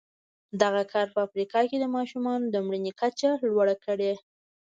دغه کار په افریقا کې د ماشومانو د مړینې کچه لوړه کړې.